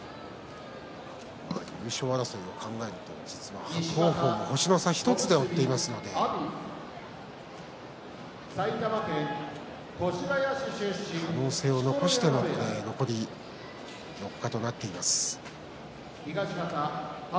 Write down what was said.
優勝争いを考えると伯桜鵬星の差１つで追っていますので可能性を残しての残り４日となっています。